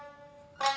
はい。